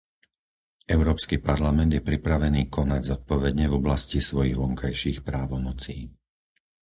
Európsky parlament je pripravený konať zodpovedne v oblasti svojich vonkajších právomocí.